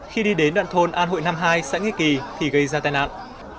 khi đi đến đoạn thôn an hội năm mươi hai xã nghĩa kỳ thì gây ra tai nạn